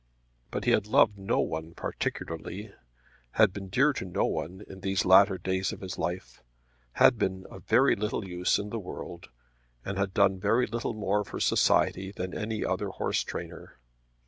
But he had loved no one particularly, had been dear to no one in these latter days of his life, had been of very little use in the world, and had done very little more for society than any other horse trainer!